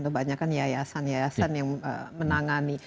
kebanyakan yayasan yayasan yang menangani